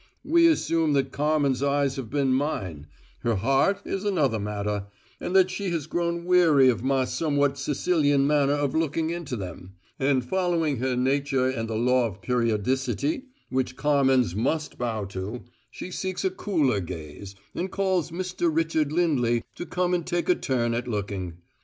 We assume that Carmen's eyes have been mine her heart is another matter and that she has grown weary of my somewhat Sicilian manner of looking into them, and, following her nature and the law of periodicity which Carmens must bow to, she seeks a cooler gaze and calls Mr. Richard Lindley to come and take a turn at looking.